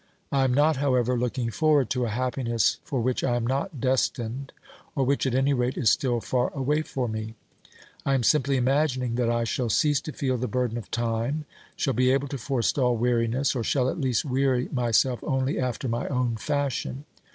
I am not, however, looking forward to a happiness for which I am not destined, or which at any rate is still far away for me. I am simply imagining that I shall cease to feel the burden of time, shall be able to forestall weariness, or shall at least weary myself only after my own fashion.